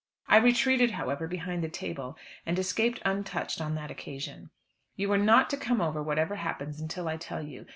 I retreated, however, behind the table, and escaped untouched on that occasion. You are not to come over, whatever happens, until I tell you.